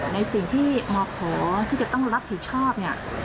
ในสิ่งที่มขอที่จะต้องรับผิดชอบเนี่ย